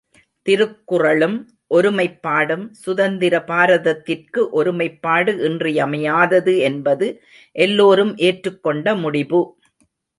திருக்குறளும் ஒருமைப்பாடும் சுதந்திர பாரதத்திற்கு ஒருமைப்பாடு இன்றியமையாதது என்பது எல்லோரும் ஏற்றுக் கொண்ட முடிபு.